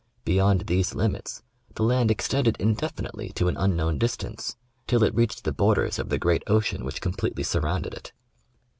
Beyond these limits, the land extended indefinitely to an unknown distance — till it reached the borders of the great ocean which completely surrounded it.